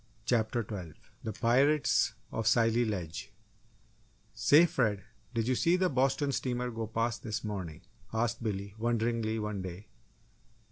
CHAPTER TWELVE THE PIRATES OF SCILLY LEDGE "Say, Fred, did you see the Boston steamer go past this morning?" asked Billy, wonderingly, one day.